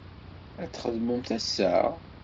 Ad txedmemt ass-a?